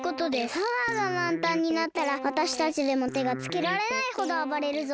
パワーがまんたんになったらわたしたちでもてがつけられないほどあばれるぞ。